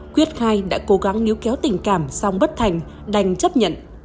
quyết khai đã cố gắng níu kéo tình cảm xong bất thành đành chấp nhận